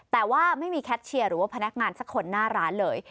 แต่ว่าไม่มีแคทเชียร์หรือว่าพนักงานสักคนหน้าร้านเลย